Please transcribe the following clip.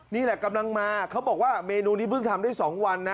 นี่แหละกำลังมาเขาบอกว่าเมนูนี้เพิ่งทำได้๒วันนะ